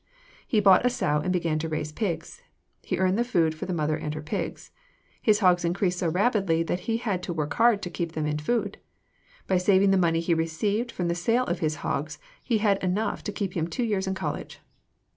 He bought a sow and began to raise pigs. He earned the food for the mother and her pigs. His hogs increased so rapidly that he had to work hard to keep them in food. By saving the money he received from the sale of his hogs he had enough to keep him two years in college.